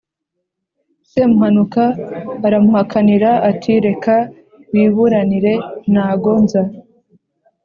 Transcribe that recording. Semuhanuka aramuhakanira ati:” Reka wiburanire nago nza. “